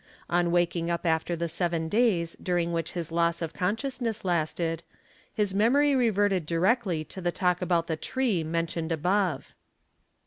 On waking up after the seven days during which his loss of consciousness lasted, his memory reverted directly to the talk about the tree mentioned above.